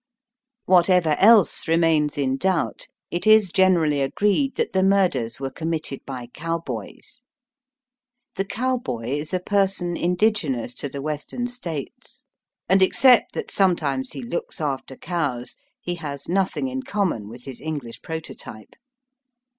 Whatever else remains in doubt, it is generally agreed that the murders were com mitted by cowboys. The cowboy is a person indigenous to the Western States, and except that sometimes he looks after cows, he has nothing in common with his English proto type.